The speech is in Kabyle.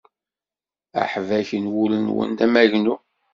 Aḥbak n wul-nwen d amagnu.